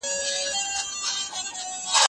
زه به اوږده موده لوښي وچولي وم